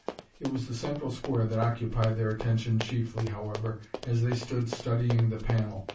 It was the central square that occupied their attention chiefly, however, as they stood studying the panel.